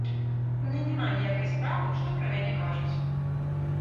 І мне няма ніякай справы, што пра мяне кажуць.